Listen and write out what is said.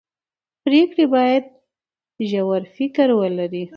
پرېکړې باید ژور فکر ولري